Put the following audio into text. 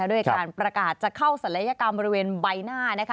ด้วยการประกาศจะเข้าศัลยกรรมบริเวณใบหน้านะคะ